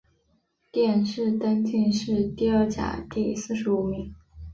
殿试登进士第二甲第四十五名。